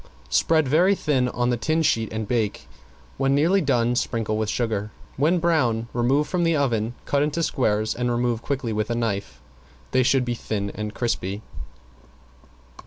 Spread very thin on the tin sheet and bake. When nearly done sprinkle with sugar; when brown remove from the oven, cut into squares and remove quickly with a knife. They should be thin and crispy.